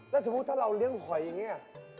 แล้วสมมุติถ้าเราเลี้ยงหอยอย่างนี้